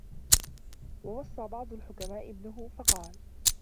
وَوَصَّى بَعْضُ الْحُكَمَاءِ ابْنَهُ فَقَالَ